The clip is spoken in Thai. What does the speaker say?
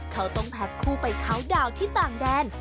เขาต้องแพ็คคู่ไปเคาน์ดาวน์ที่ต่างแดน